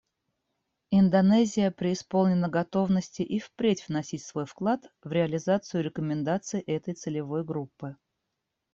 Индонезия преисполнена готовности и впредь вносить свой вклад в реализацию рекомендаций этой целевой группы.